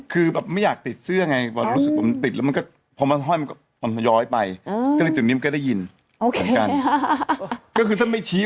แล้วบางทีจะอ่านข่าวอย่างนี้ก็เอาไป